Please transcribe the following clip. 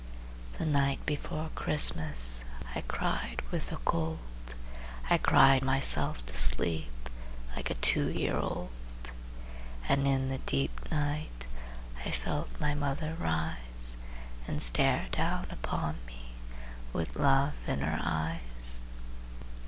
The night before Christmas I cried with the cold, I cried myself to sleep Like a two year old. And in the deep night I felt my mother rise, And stare down upon me With love in her eyes.